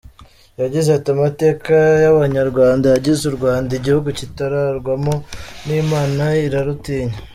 Yagize ati “Amateka y’Abanyarwanda yagize u Rwanda igihugu kitararwamo n’Imana, irarutinya.